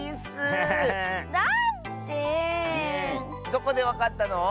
どこでわかったの？